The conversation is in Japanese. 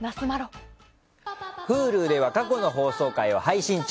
Ｈｕｌｕでは過去の放送回を配信中。